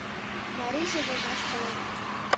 Марийже войнаш колен.